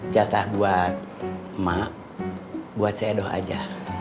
jatah buat emak buat saya doa aja